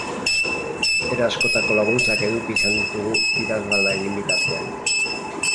Era askotako laguntzak eduki izan ditugu idazlana egin bitartean.